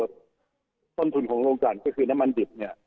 ต้นทุนของโรงการก็คือน้ำมันดิบเนี่ย